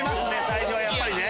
最初はやっぱりね。